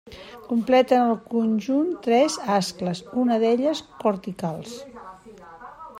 Completen el conjunt tres ascles, una d’elles corticals.